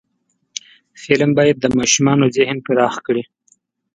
فلم باید د ماشومانو ذهن پراخ کړي